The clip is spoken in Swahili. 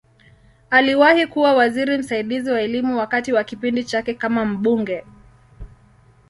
Aliwahi kuwa waziri msaidizi wa Elimu wakati wa kipindi chake kama mbunge.